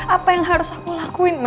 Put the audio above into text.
apa yang harus aku lakuin